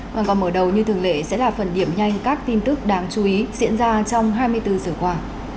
hoàn còn mở đầu như thường lệ sẽ là phần điểm nhanh các tin tức đáng chú ý diễn ra trong hai mươi bốn giờ qua